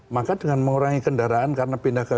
maka dengan mengurangi kendaraan karena pindah ke